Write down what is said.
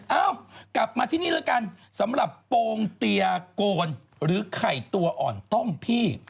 เอ้ากลับมาที่นี่แล้วกันสำหรับโปรงเตียโกนหรือไข่ตัวอ่อนต้มพี่